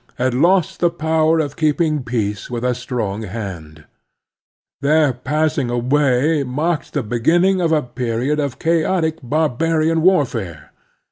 had^pst the power of keeping peace with a strong han^ Their passing away marked the beginning of a period of chaotic barbarian warfare.